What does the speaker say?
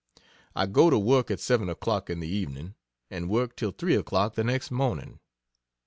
I go to work at 7 o'clock in the evening, and work till 3 o'clock the next morning.